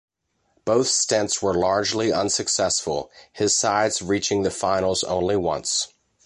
Both stints were largely unsuccessful, his sides reaching the finals only once.